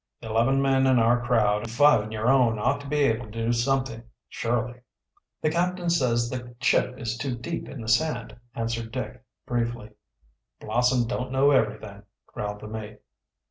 "Eleven men in our crowd and five in your own ought to be able to do something, surely." "The captain says the ship is too deep in the sand," answered Dick briefly. "Blossom don't know everything," growled the mate.